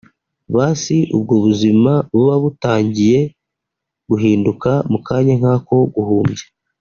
basi ubwo ubuzima buba butangiye guhinduka mu kanya nk’ako guhumbya